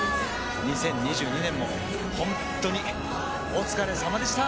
２０２２年もほんっとにお疲れさまでした！